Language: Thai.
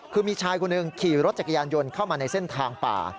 คือมีชายคนหนึ่งขี่รถจักรยานยนต์เข้ามาในเส้นทางป่า